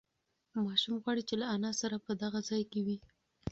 ماشوم غواړي چې له انا سره په دغه ځای کې وي.